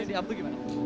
apalagi di up itu gimana